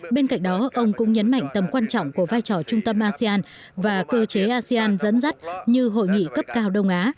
bên cạnh đó ông cũng nhấn mạnh tầm quan trọng của vai trò trung tâm asean và cơ chế asean dẫn dắt như hội nghị cấp cao đông á